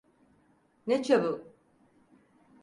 Ne çabuk?